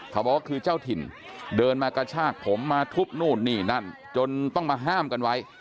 เขาบอกว่าคือเจ้าถิ่นเดินมากระชากผมมาทุบนู่นนี่นั่นจนต้องมาห้ามกันไว้